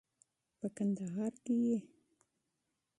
په کندهار کې یې